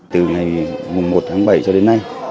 từ ngày một tháng bảy cho đến nay